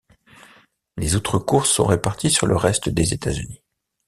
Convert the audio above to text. Les autres courses sont réparties sur le reste des États-Unis.